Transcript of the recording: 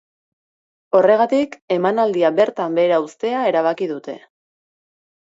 Horregatik, emanaldia bertan behera uztea erabaki dute.